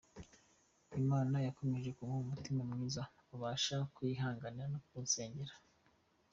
Imana yakomeje kumuha umutima mwiza abasha kunyihanganira no kunsengera.